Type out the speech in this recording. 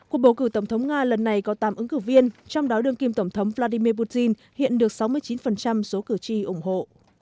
cuộc bầu cử tổng thống nga lần này có tám ứng cử viên trong đó đương kim tổng thống vladimir putin hiện được sáu mươi chín số cử tri ủng hộ